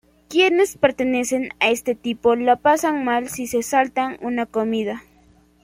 Quienes pertenecen a este tipo lo pasan mal si se saltan una comida.